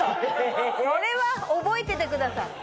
それは覚えててください。